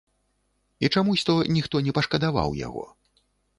І чамусь то ніхто не пашкадаваў яго.